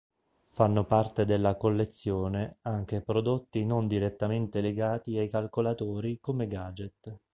Fanno parte della collezione anche prodotti non direttamente legati ai calcolatori come gadget.